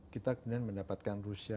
kita kemudian mendapatkan rusia